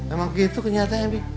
emang gitu kenyataannya pi